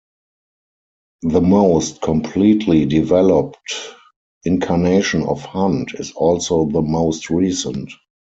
The most completely developed incarnation of Hunt is also the most recent.